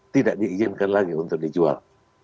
tidak diizinkan lagi untuk dijual